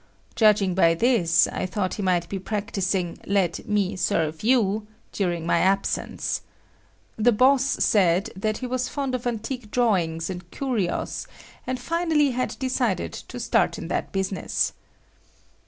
Judging by this, I thought he might be practising "Let me serve you" during my absence. The boss said that he was fond of antique drawings and curios and finally had decided to start in that business.